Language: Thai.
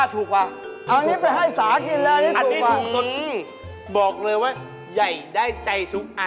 มึงอยู่ห้องเช่า